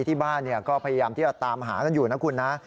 ที่บ้านก็พยายามที่จะตามหากันอยู่นะคุณนะ